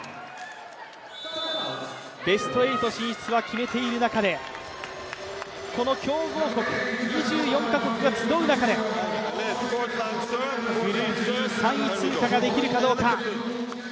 ベスト８進出は決めている中でこの強豪国、２４か国が集う中で、グループＥ３位通過ができるかどうか。